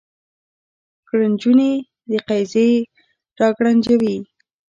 ګړنجونې د قیزې را ګړنجوي